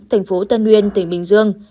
thành phố tân nguyên tỉnh bình dương